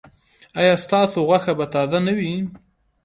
ایا ستاسو غوښه به تازه نه وي؟